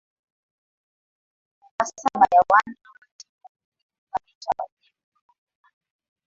nasaba ya wana wa Timur iliunganisha Uajemi pamoja na